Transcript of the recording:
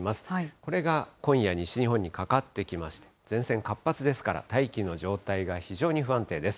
これが今夜、西日本にかかってきまして、前線、活発ですから、大気の状態が非常に不安定です。